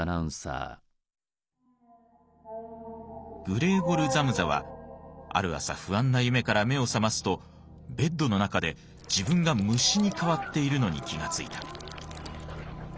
グレーゴル・ザムザはある朝不安な夢から目を覚ますとベッドの中で自分が虫に変わっているのに気がついた。